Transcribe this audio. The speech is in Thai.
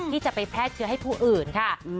ที่จะไปแพร่เชื้อให้ผู้อื่นค่ะ